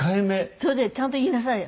それでちゃんと言いなさいよ。